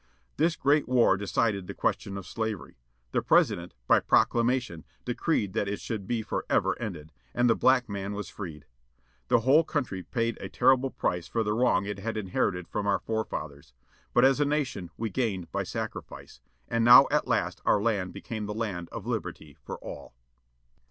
This great war decided the question of slavery. The President, by proclamation, decreed that it should be forever ended. And the black man was freed. The whole country paid a terrible price for the wrong it had inherited from our forefathers. But as a nation we gained by the sacrifice. And now at last our land became the land of liberty for all.